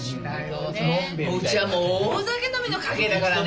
うちはもう大酒飲みの家系だからね。